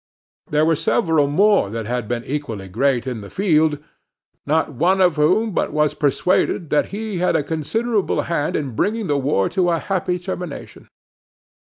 There were several more that had been equally great in the field, not one of whom but was persuaded that he had a considerable hand in bringing the war to a happy termination.